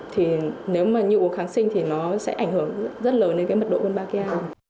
thì nếu mà như uống kháng sinh thì nó sẽ ảnh hưởng rất lớn đến cái mật độ wombatia